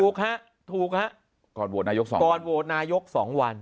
ถูกครับถูกครับก่อนโหวตนายก๒วัน